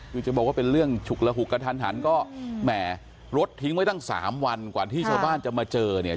คือจะบอกว่าเป็นเรื่องฉุกระหุกกระทันหันก็แหมรถทิ้งไว้ตั้ง๓วันกว่าที่ชาวบ้านจะมาเจอเนี่ย